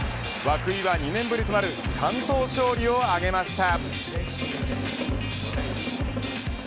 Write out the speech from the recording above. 涌井は２年ぶりとなる完投勝利を挙げました。